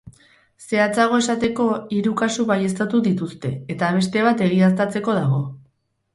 Zehatzago esateko, hiru kasu baieztatu dituzte, eta beste bat egiaztatzeko dago.